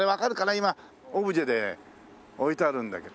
今オブジェで置いてあるんだけど。